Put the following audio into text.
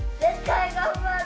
頑張る。